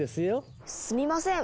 すみません